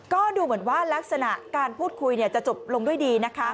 ก็ดูเหมือนว่ารักษณะการพูดคุยจะจบลงด้วยดีนะคะ